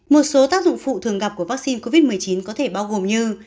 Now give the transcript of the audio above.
một số tác dụng phụ thường gặp của vaccine covid một mươi chín có thể bao gồm như